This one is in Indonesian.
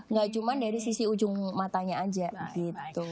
gak cuma dari sisi ujung matanya aja gitu